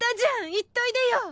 行っといでよ！